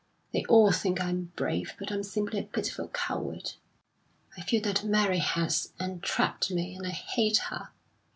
They all think I'm brave, but I'm simply a pitiful coward...." "I feel that Mary has entrapped me, and I hate her.